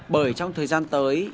bởi trong thời gian tới